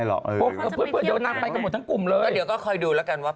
หลับเลยเข้าไปดูแบบนี้